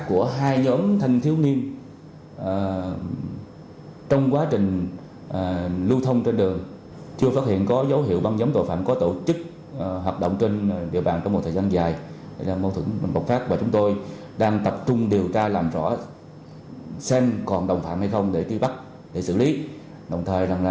của hai nhóm thanh thiếu niên trong quá trình lưu thông trên đường